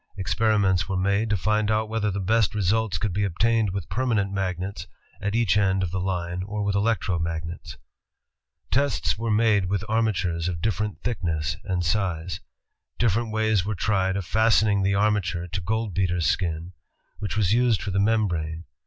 Experiments were made to find out whether the best results could be obtained with permanent magnets at each end of the line or with electro magnets. Tests were made with armatures of different thickness and size. Different ways were tried of fasten ing the armature to goldbeater's skin, which was used for the membrane.